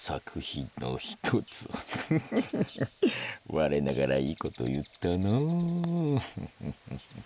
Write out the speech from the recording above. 我ながらいいこと言ったなぁ。